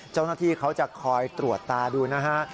เจ้าหน้าที่เขาจะคอยตรวจตาดูนะฮะ